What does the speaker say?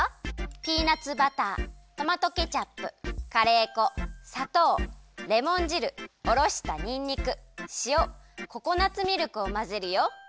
ピーナツバタートマトケチャップカレー粉さとうレモン汁おろしたにんにくしおココナツミルクをまぜるよ。